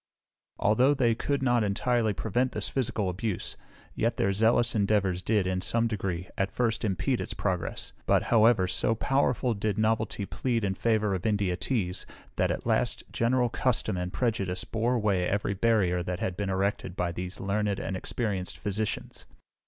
Although they could not entirely prevent this physical abuse, yet their zealous endeavours did, in some degree, at first impede its progress; but, however, so powerful did novelty plead in favour of India teas, that, at last, general custom and prejudice bore away every barrier that had been erected by these learned and experienced physicians.